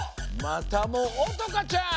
またもおとかちゃん。